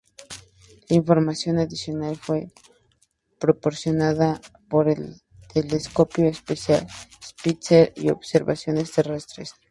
La información adicional fue proporcionada por el telescopio espacial Spitzer y observaciones terrestres.